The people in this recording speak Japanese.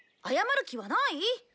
謝る気はない？